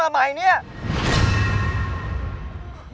ไปไอ้มายอยู่ออกชีวิตให้ไว้